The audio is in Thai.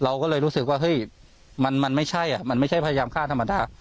เราก็เลยรู้สึกว่าเฮ้ยมันไม่ใช่พยามฆ่าธรรมดา